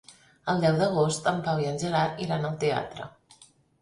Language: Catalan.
El deu d'agost en Pau i en Gerard iran al teatre.